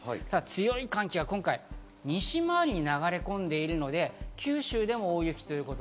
ただ強い寒気が今回、西回りに流れ込んでいるので、九州でも大雪。